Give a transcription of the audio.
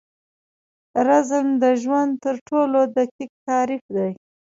رزم د ژوند تر ټولو دقیق تعریف دی.